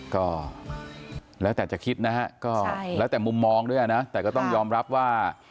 ก็แล้วแต่จะคิดนะฮะก็แล้วแต่มุมมองด้วยนะแต่ก็ต้องยอมรับว่า